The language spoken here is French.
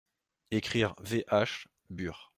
Ecrire VH, bur.